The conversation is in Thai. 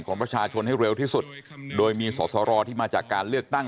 ของประชาชนให้เร็วที่สุดโดยมีสอสรที่มาจากการเลือกตั้ง